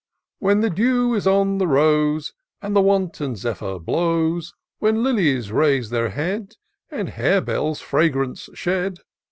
When the dew is on the rq^e, And the wanton zephyr blows ; When lilies raise their head, And harebells fragrance shed.